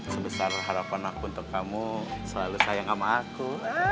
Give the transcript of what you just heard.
sebesar harapan aku untuk kamu selalu sayang sama aku